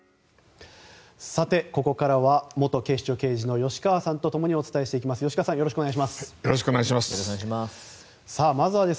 ここからは元警視庁刑事の吉川さんとともにお伝えしていきます。